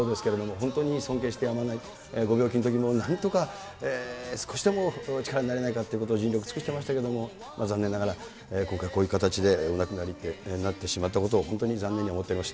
本当に尊敬してやまない、ご病気のときも、なんとか少しでも力になれないかと尽力尽くしてましたけれども、残念ながら、今回はこういう形でお亡くなりになってしまったこと、本当に残念に思っています。